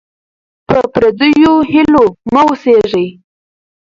په پردیو هیلو مه اوسېږئ.